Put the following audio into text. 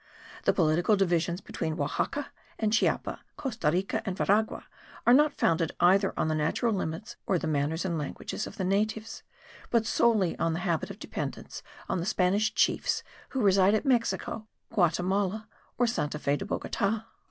The political divisions between Oaxaca and Chiapa, Costa Rica and Veragua, are not founded either on the natural limits or the manners and languages of the natives, but solely on the habit of dependence on the Spanish chiefs who resided at Mexico, Guatimala or Santa Fe de Bogota.